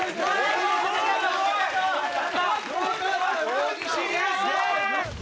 大西流星！